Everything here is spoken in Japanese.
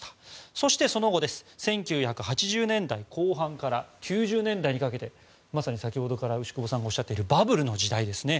そして、その後１９８０年代後半から９０年代にかけてまさに先ほどから牛窪さんがおっしゃっているバブルの時代ですね。